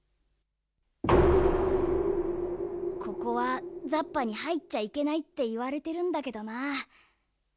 ここはザッパにはいっちゃいけないっていわれてるんだけどな。